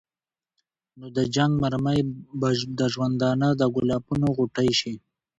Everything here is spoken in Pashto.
نو د جنګ مرمۍ به د ژوندانه د ګلابونو غوټۍ شي.